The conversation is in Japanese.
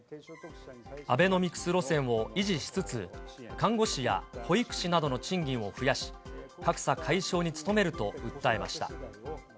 アベノミクス路線を維持しつつ、看護師や保育士などの賃金を増やし、格差解消に努めると訴えました。